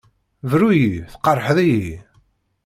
Bru-iyi! Tqerḥed-iyi!